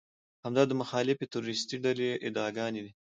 همدا د مخالفې تروريستي ډلې ادعاګانې دي.